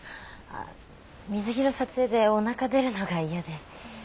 水着の撮影でおなか出るのが嫌で。